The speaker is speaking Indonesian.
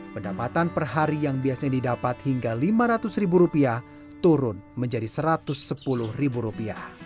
pendapatan per hari yang biasanya didapat hingga rp lima ratus turun menjadi rp satu ratus sepuluh